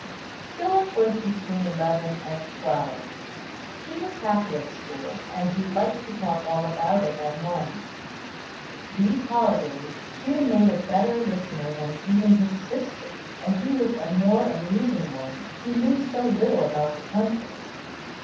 Philip was between eleven and twelve. He was happy at school: and he liked to talk all about it at home. These holidays, Hugh made a better listener than even his sisters; and he was a more amusing one he knew so little about the country.